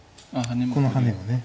このハネをね。